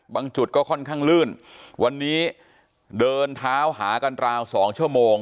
จุดก็ค่อนข้างลื่นวันนี้เดินเท้าหากันราวสองชั่วโมง